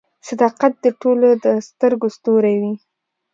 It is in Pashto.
• صداقت د ټولو د سترګو ستوری وي.